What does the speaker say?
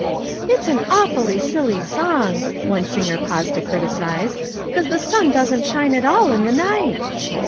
" "It's an awfully silly song!" one singer paused to criticise, " 'cause the sun doesn't shine at all in the night."